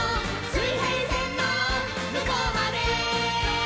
「水平線のむこうまで」